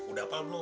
udah apa belum